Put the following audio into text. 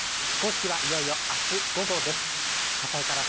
起工式はいよいよあす午後です。